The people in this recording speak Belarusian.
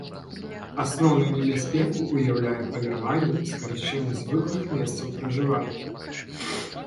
Асноўную небяспеку ўяўляе паляванне і скарачэнне звыклых месцаў пражывання.